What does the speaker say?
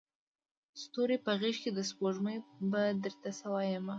ستوري په غیږکي د سپوږمۍ به درته څه وایمه